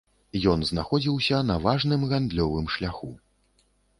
Ён знаходзіўся на важным гандлёвым шляху.